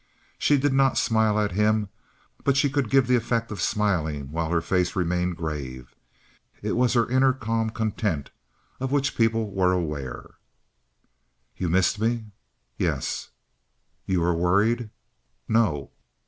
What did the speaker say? She did not smile at him; but she could give the effect of smiling while her face remained grave; it was her inward calm content of which people were aware. "You missed me?" "Yes." "You were worried?" "No."